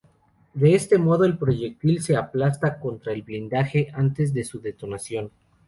De este modo el proyectil se aplasta contra el blindaje antes de su detonación.